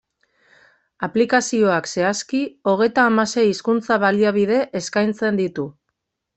Aplikazioak, zehazki, hogeita hamasei hizkuntza-baliabide eskaintzen ditu.